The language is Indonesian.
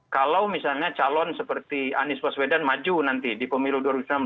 kalau misalnya calon seperti anies baswedan maju nanti di pemilu dua ribu sembilan belas